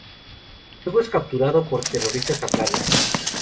Luego es capturado por terroristas afganos.